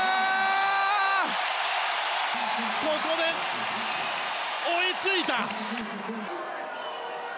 ここで追いついた！